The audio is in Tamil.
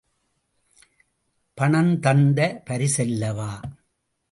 பணம் தந்த பரிசல்லவா!